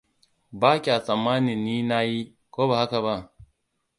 Ba kya tsammanin ni nayi, ko ba haka ba?